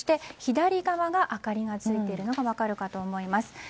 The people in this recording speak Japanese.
左側が明かりがついているのが分かるかと思います。